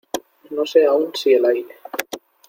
No sé aún si el aire